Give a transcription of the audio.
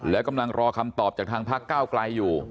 และกำลังรอคำตอบจากทางพักเก้าไกลอยู่